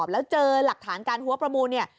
แล้วเจอหลักฐานการหัวประมูลเนี่ย